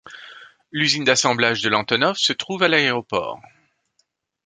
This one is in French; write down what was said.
L'usine d'assemblage de l'Antonov se trouve à l'aéroport.